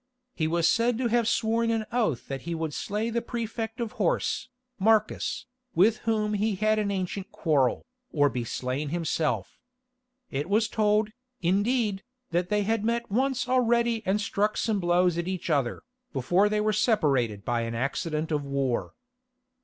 He was said to have sworn an oath that he would slay the Prefect of Horse, Marcus, with whom he had an ancient quarrel, or be slain himself. It was told, indeed, that they had met once already and struck some blows at each other, before they were separated by an accident of war.